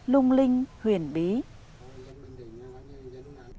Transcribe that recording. lùng linh trong tháp trầm pa xưa